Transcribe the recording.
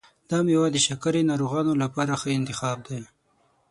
دا میوه د شکرې ناروغانو لپاره ښه انتخاب دی.